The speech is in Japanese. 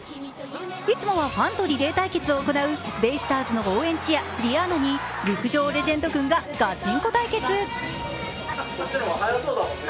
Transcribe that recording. いつもはファンとリレー対決を行うベイスターズの応援チアディアーナと陸上レジェンド軍がガチンコ対決。